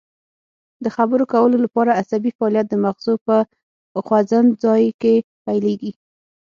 د خبرو کولو لپاره عصبي فعالیت د مغزو په خوځند ځای کې پیلیږي